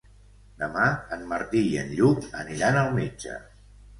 Demà en Martí i en Lluc aniran al metge.